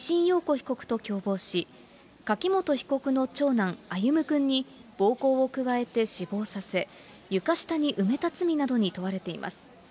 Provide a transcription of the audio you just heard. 被告と共謀し、柿本被告の長男、歩夢くんに暴行を加えて死亡させ、床下に埋めた罪などに問われています。